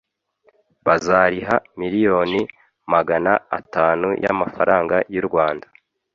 bazariha miliyoni magana atanu y’amafaranga y’u rwanda